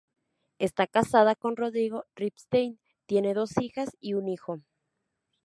Está casada con Rodrigo Ripstein, tiene dos hijas y un hijo.